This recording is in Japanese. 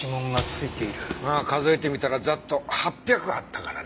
まあ数えてみたらざっと８００はあったからね。